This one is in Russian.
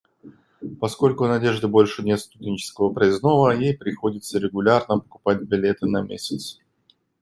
Поскольку у Надежды больше нет студенческого проездного, ей приходится регулярно покупать билеты на месяц.